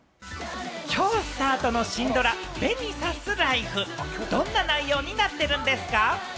きょうスタートのシンドラ『紅さすライフ』、どんな内容になってるんですか？